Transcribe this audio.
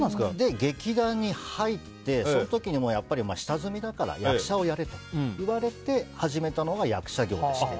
劇団に入って、その時にやっぱり下積みだから役者をやれと言われて始めたのが役者業でして。